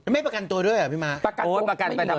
ไม่ประกันตัวด้วยเหรอพี่มาร์ก